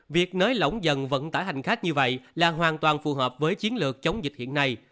việc nới lỏng dần vận tải hành khách như vậy là hoàn toàn phù hợp với chiến lược chống dịch hiện nay